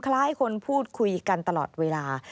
คล้ายคนพูดคุยกันตลอดเวลา